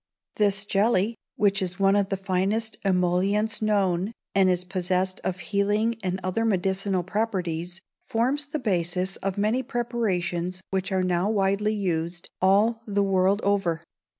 This jelly, which is one of the finest emollients known, and is possessed of healing and other medicinal properties, forms the basis of many preparations which are now widely used all the world over.